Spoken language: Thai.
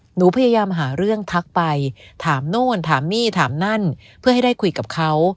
หนูพยายามหาเรื่องทักไปถามโน่นถามนี่ถามนั่นเพื่อให้ได้คุยกับเขา